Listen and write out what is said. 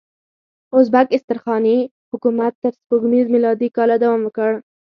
ازبک استرخاني حکومت تر سپوږمیز میلادي کاله دوام وکړ.